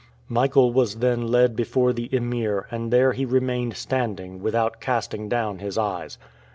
Michael was then led before the Emir, and there he remained standing, without casting down his eyes.